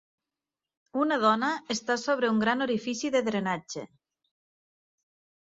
Una dona està sobre una gran orifici de drenatge.